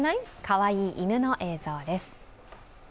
かわいい犬の映像です。